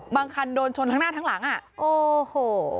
บางคันโดนชนทั้งหน้าทั้งหลังอ่ะโอ้โห